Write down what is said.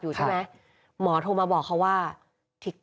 คือตอนที่แม่ไปโรงพักที่นั่งอยู่ที่สพ